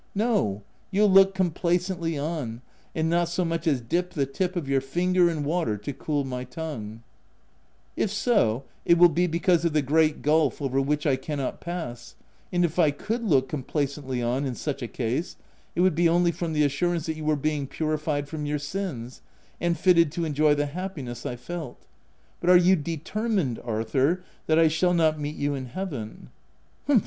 — No, you'll look complacently on, and not so much as dip the tip of your finger in water to cool my tongue P" " If so, it will be because of the great gulf over which I cannot pass ; and if I could look complacently on in such a case, it would be only from the assurance that you were being purified from your sins, and fitted to enjoy the happiness I felt. — But are you determined, Arthur, that I shall not meet you in Heaven